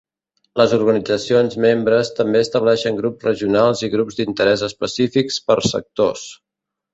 Les organitzacions membres també estableixen grups regionals i grups d'interès específics per sectors.